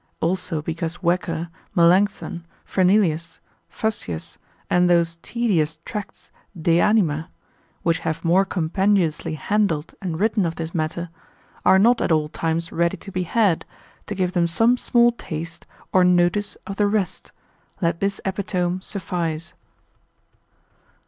Also because Wecker, Melancthon, Fernelius, Fuschius, and those tedious Tracts de Anima (which have more compendiously handled and written of this matter,) are not at all times ready to be had, to give them some small taste, or notice of the rest, let this epitome suffice.